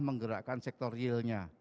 menggerakkan sektor yield nya